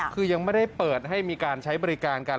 คือยังไม่ได้เปิดให้มีการใช้บริการกัน